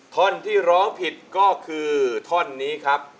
ท่อนที่ร้องผิดก็คือท่อนนี้ครับ